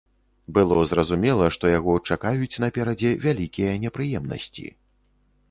Было зразумела, што яго чакаюць наперадзе вялікія непрыемнасці.